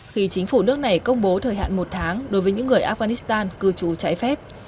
khi chính phủ nước này công bố thời hạn một tháng đối với những người afghanistan cư trú trái phép